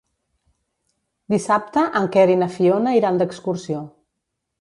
Dissabte en Quer i na Fiona iran d'excursió.